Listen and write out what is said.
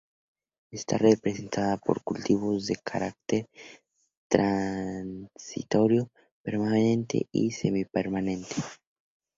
Está representada por cultivos de carácter transitorio, permanente y semipermanente.